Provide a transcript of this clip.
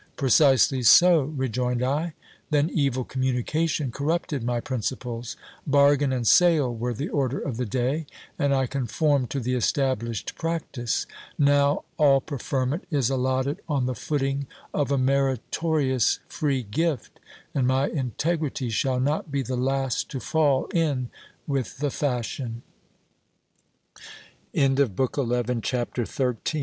Precisely so, rejoined I ; then evil communication corrupted my principles ; bargain and sale were the order of the day, and I conformed to the established practice : now, all preferment is allotted on the footing of a meritorious free gift, and my integrity shall not be the last to fall in with the fas